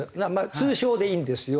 通称でいいんですよ。